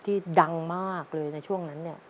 ที่ดังมากเลยในช่วงนั้น